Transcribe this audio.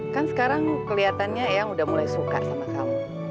kan sekarang kelihatannya yang udah mulai suka sama kamu